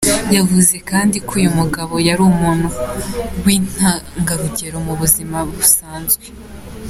Yavuze kandi ko uyu mugabo yari umuntu w’intangarugero mu buzima busanzwe.